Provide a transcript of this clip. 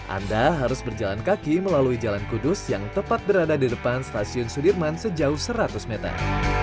anda harus berjalan kaki melalui jalan kudus yang tepat berada di depan stasiun sudirman sejauh seratus meter